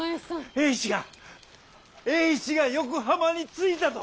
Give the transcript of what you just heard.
栄一が栄一が横浜に着いたと！